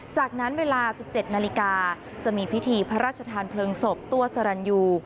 จากนั้นเวลา๑๗นาฬิกาจะมีพิธีพระราชทานเพลิงศพตัวสรรยู